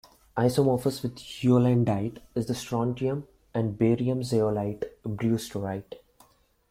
Isomorphous with heulandite is the strontium and barium zeolite brewsterite.